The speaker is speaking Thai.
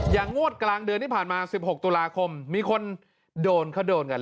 งวดกลางเดือนที่ผ่านมา๑๖ตุลาคมมีคนโดนเขาโดนกัน